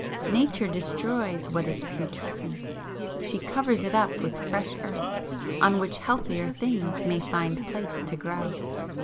Nature destroys what is putrescent; she covers it up with fresh earth on which healthier things may find place to grow.